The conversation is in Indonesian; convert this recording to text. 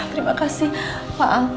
terima kasih pak al